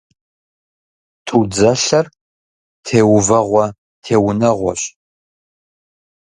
Тудзэлъэр теувэгъуэ теунэгъуэщ.